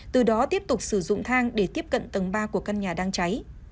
từ đó tiếp tục sử dụng thang để tiếp cận tầng ba của căn nhà đang cháy